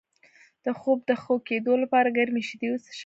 د خوب د ښه کیدو لپاره ګرمې شیدې وڅښئ